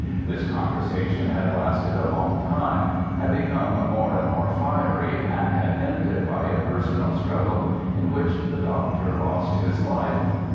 This conversation had lasted a long time, had become more and more fiery, and had ended by a personal struggle, in which the doctor lost his life.